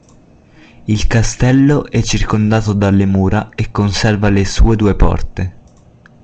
Il castello è circondato dalle mura e conserva le sue due porte.